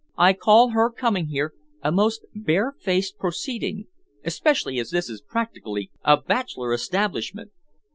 "I call her coming here a most bare faced proceeding, especially as this is practically a bachelor establishment."